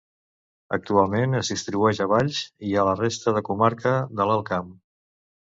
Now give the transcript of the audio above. Actualment, es distribueix a Valls i a la resta de comarca de l'Alt Camp.